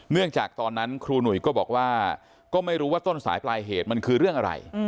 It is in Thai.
จากตอนนั้นครูหนุ่ยก็บอกว่าก็ไม่รู้ว่าต้นสายปลายเหตุมันคือเรื่องอะไร